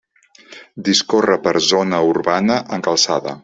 Discorre per zona urbana, en calçada.